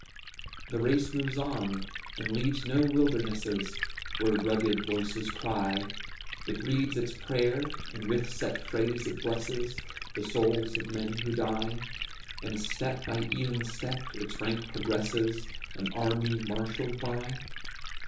The race moves on, and leaves no wildernesses Where rugged voices cry; It reads its prayer, and with set phrase it blesses The souls of men who die, And step by even step its rank progresses, An army marshalled by.